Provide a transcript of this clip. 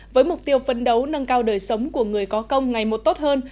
với mục tiêu phấn đấu nâng cao đời sống của người có công ngày một tốt hơn